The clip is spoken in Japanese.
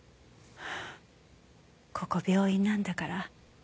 ここ病院なんだから。